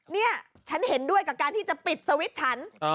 นี่ฉันเห็นด้วยกับการที่จะปิดสวิตช์ฉัน